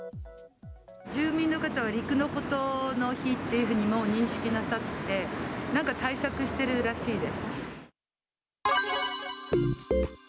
住民の方は、陸の孤島の日っていうふうに認識なさって、なんか対策してるらしいです。